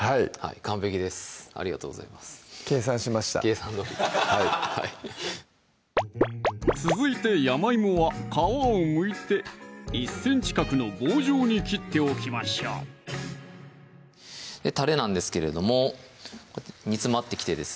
完璧ですありがとうございます計算しました計算どおりはい続いて山いもは皮をむいて１ｃｍ角の棒状に切っておきましょうたれなんですけれども煮詰まってきてですね